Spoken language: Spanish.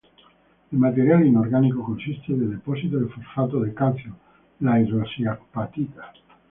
El material inorgánico consiste de depósito de fosfato de calcio, la hidroxiapatita.